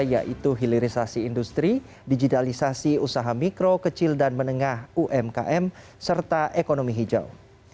yaitu hilirisasi industri digitalisasi usaha mikro kecil dan menengah umkm serta ekonomi hijau